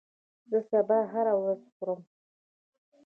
زه سابه هره ورځ خورم